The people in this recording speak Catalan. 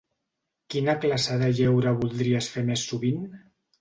Quina classe de lleure voldries fer més sovint?